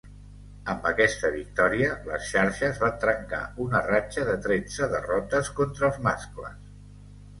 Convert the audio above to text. Amb aquesta victòria, les xarxes van trencar una ratxa de tretze derrotes contra els mascles.